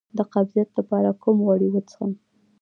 د قبضیت لپاره کوم غوړي وڅښم؟